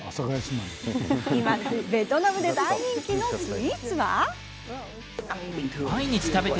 今、ベトナムで大人気のスイーツは。